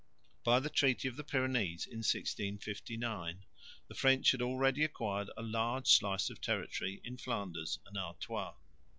By the treaty of the Pyrenees, 1659, the French had already acquired a large slice of territory in Flanders and Artois.